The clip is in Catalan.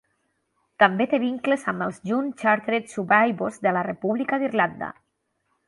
També té vincles amb els Young Chartered Surveyors de la República d'Irlanda.